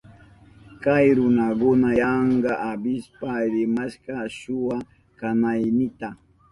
Kay runaka yanka apishpa rimashka shuwa kanaynita.